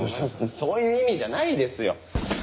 そういう意味じゃないですよ。